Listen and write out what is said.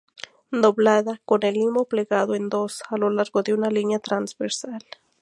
Doblada, con el limbo plegado en dos a lo largo de una línea transversal.